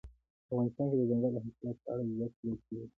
افغانستان کې د دځنګل حاصلات په اړه زده کړه کېږي.